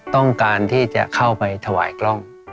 ต้องการที่จะเข้าไปถวายกล้อง